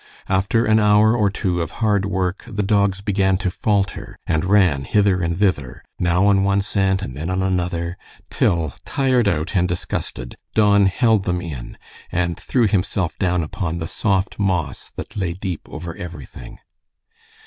After an hour or two of hard work, the dogs began to falter, and ran hither and thither, now on one scent and then on another, till tired out and disgusted, Don held them in, and threw himself down upon the soft moss that lay deep over everything.